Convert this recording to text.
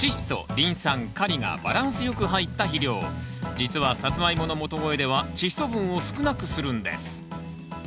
実はサツマイモの元肥ではチッ素分を少なくするんです